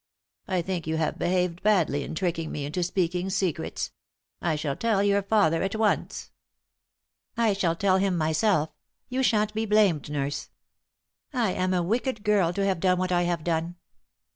I think you have behaved badly in tricking me into speaking secrets. I shall tell your father at once." "I shall tell him myself; you shan't be blamed, nurse. I am a wicked girl to have done what I have done.